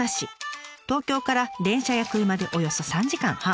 東京から電車や車でおよそ３時間半。